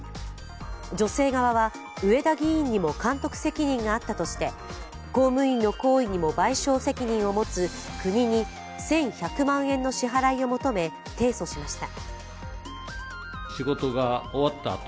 女性側は上田議員にも監督責任があったとして公務員の行為にも賠償責任を持つ国に１１００万円の支払いを求め提訴しました。